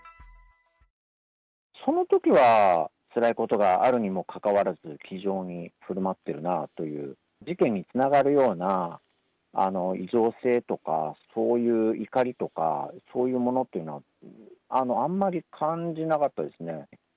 そのときはつらいことがあるにもかかわらず、気丈にふるまってるなという、事件につながるような異常性とか、そういう怒りとか、そういうものっていうのはあんまり感じなかったですね。